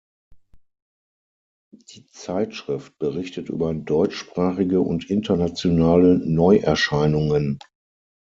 Die Zeitschrift berichtet über deutschsprachige und internationale Neuerscheinungen.